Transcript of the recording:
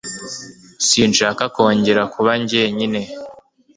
Sinshaka kongera kuba jye nyine.